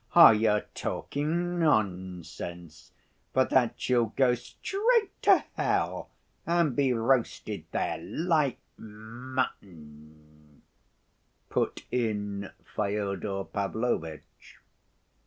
You're talking nonsense. For that you'll go straight to hell and be roasted there like mutton," put in Fyodor Pavlovitch.